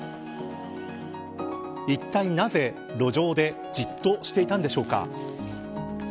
いったいなぜ路上でじっとしていたのでしょうか。